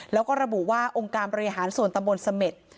แล้วก็ระบุว่าองค์การบริหารส่วนตำบลเสม็ด